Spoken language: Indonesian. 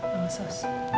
pantannya bengkel saus